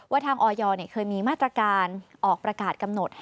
ทางออยเคยมีมาตรการออกประกาศกำหนด